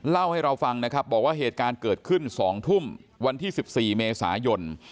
เล่าให้เราฟังนะครับบอกว่าเหตุการณ์เกิดขึ้น๒ทุ่มวันที่๑๔เมษายน